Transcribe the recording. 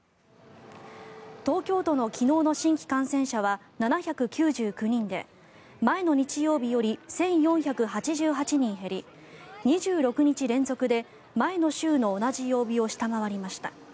東京都の昨日の新規感染者は７９９人で前の日曜日より１４８８人減り２６日連続で前の週の同じ曜日を下回りました。